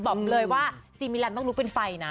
บอกเลยว่าซีมิลันต้องลุกเป็นไฟนะ